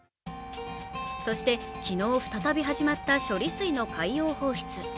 そして昨日、再び始まった処理水の海洋放出。